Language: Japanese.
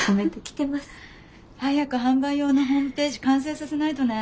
早く販売用のホームページ完成させないとね。